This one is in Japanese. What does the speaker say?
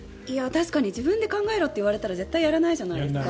確かに自分で考えろと言われたら絶対やらないじゃないですか。